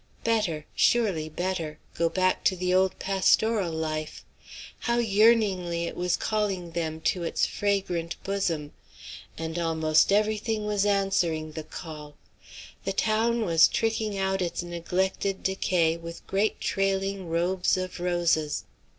Better, surely better, go back to the old pastoral life. How yearningly it was calling them to its fragrant bosom! And almost every thing was answering the call. The town was tricking out its neglected decay with great trailing robes of roses.